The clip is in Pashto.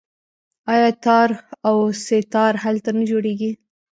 آیا تار او سه تار هلته نه جوړیږي؟